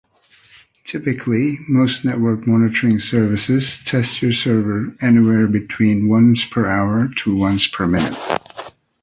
Typically, most network monitoring services test your server anywhere between once-per-hour to once-per-minute.